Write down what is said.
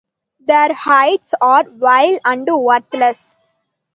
Their hides are vile and worthless.